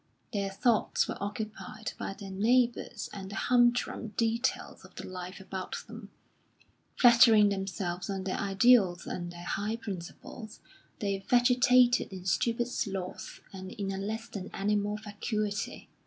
Their thoughts were occupied by their neighbours and the humdrum details of the life about them. Flattering themselves on their ideals and their high principles, they vegetated in stupid sloth and in a less than animal vacuity.